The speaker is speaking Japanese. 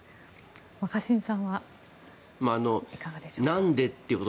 若新さんはいかがでしょうか。